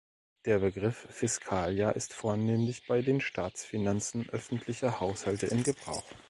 Der Begriff "Fiskaljahr" ist vornehmlich bei den Staatsfinanzen öffentlicher Haushalte in Gebrauch.